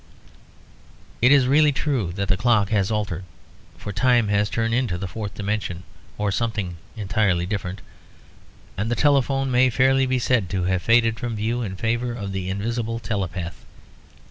It is really true that the clock has altered, for time has turned into the fourth dimension or something entirely different; and the telephone may fairly be said to have faded from view in favour of the invisible telepath.